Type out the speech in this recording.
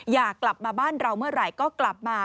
อยากกลับมาบ้านเราเมื่อไหร่ก็กลับมา